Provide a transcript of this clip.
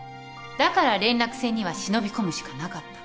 だから連絡船には忍び込むしかなかった。